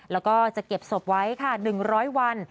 แล้วก็จะเก็บศพไว้ค่ะ๑๐๐วัน